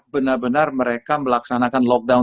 benar benar mereka melaksanakan lockdown